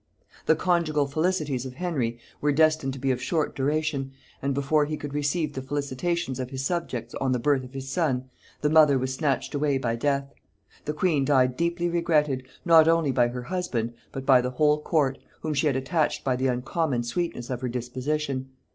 The conjugal felicities of Henry were destined to be of short duration, and before he could receive the felicitations of his subjects on the birth of his son, the mother was snatched away by death. The queen died deeply regretted, not only by her husband, but by the whole court, whom she had attached by the uncommon sweetness of her disposition.